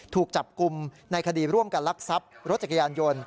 ถูกจับกลุ่มในคดีร่วมกันลักทรัพย์รถจักรยานยนต์